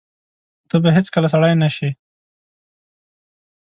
ته به هیڅکله سړی نه شې !